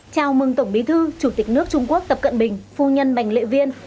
chào mừng tổng bí thư chủ tịch nước trung quốc tập cận bình phu nhân bành lệ viên